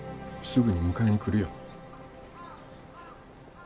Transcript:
すぐに迎えに来るよ。